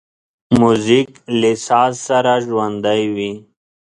موزیک له ساز سره ژوندی وي.